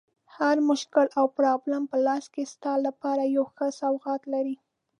هر مشکل او پرابلم په لاس کې ستا لپاره یو ښه سوغات لري.